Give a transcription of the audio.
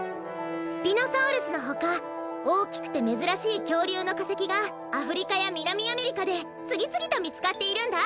スピノサウルスのほかおおきくてめずらしいきょうりゅうのかせきがアフリカやみなみアメリカでつぎつぎとみつかっているんだ！